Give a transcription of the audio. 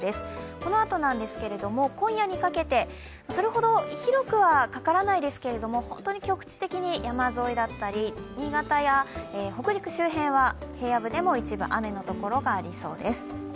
このあと、今夜にかけてそれほど広くはかからないですが本当に局地的に山沿いだったり、新潟や北陸周辺は平野部でも一部、雨の所がありそうです。